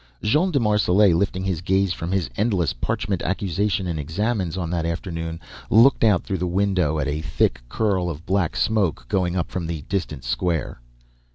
Jean de Marselait, lifting his gaze from his endless parchment accusation and examens on that afternoon, looked out through the window at a thick curl of black smoke going up from the distant square.